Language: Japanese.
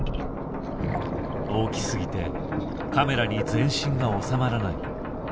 大きすぎてカメラに全身が収まらない。